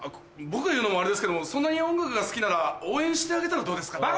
僕が言うのもあれですけどそんなに音楽が好きなら応援してあげたらどうですか？